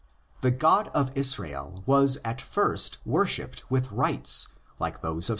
The God of Israel was at first worshipped with rites like those of Semitic 1 Cf.